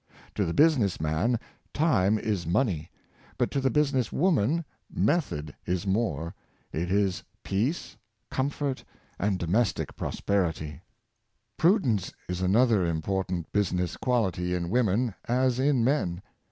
To the business man, time is money; but to the business woman, method is more — it is peace, comfort, and domestic prosperity. Prudence is another important business quality in women, as in men.